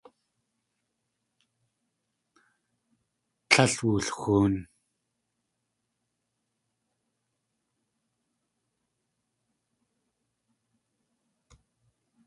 Tlél wulxoon.